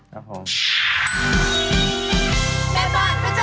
ขอบคุณครับ